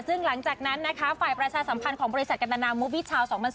ซึ่งหลังจากนั้นนะคะฝ่ายประชาสัมพันธ์ของบริษัทกัณามุวิชาว๒๐๑